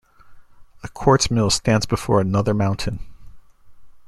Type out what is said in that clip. A quartz mill stands before another mountain.